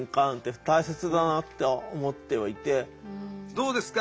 どうですか？